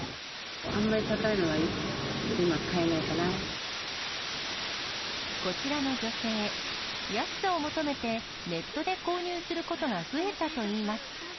あんまり高いのは今、買えなこちらの女性、安さを求めて、ネットで購入することが増えたといいます。